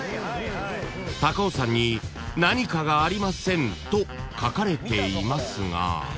［高尾山に何かがありませんと書かれていますが］